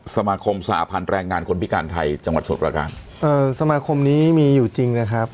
สมาคมสหพันธ์แรงงานคนพิการไทยจังหวัดสมุทรประการเอ่อสมาคมนี้มีอยู่จริงนะครับ